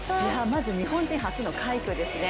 まず日本人初の快挙ですね。